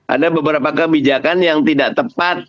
ada beberapa kebijakan yang tidak tepat